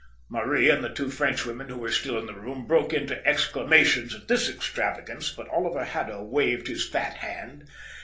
Marie and the two Frenchwomen who were still in the room broke into exclamations at this extravagance, but Oliver Haddo waved his fat hand.